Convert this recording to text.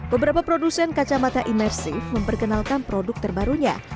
beberapa produsen kacamata imersif memperkenalkan produk terbarunya